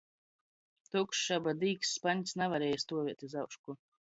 Tukšs aba dīks spaņs navarēja stuovēt iz aušku.